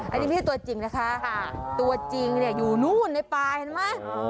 อันนี้พี่ตัวจริงนะคะตัวจริงจริงอยู่โน่นในปลายเห็นปะ